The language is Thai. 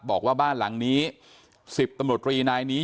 บอกว่าบ้านหลังนี้สิบตะโนตรีนายนี้